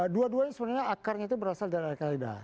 dua duanya sebenarnya akarnya itu berasal dari al qaeda